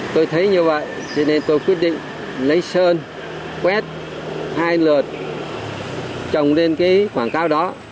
tôi thấy như vậy cho nên tôi quyết định lấy sơn quét hai lượt trồng lên cái quảng cáo đó